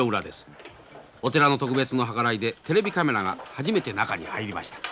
お寺の特別の計らいでテレビカメラが初めて中に入りました。